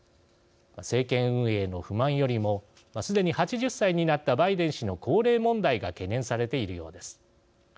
政権運営への不満よりもすでに８０歳になったバイデン氏の高齢問題が懸念されているようです。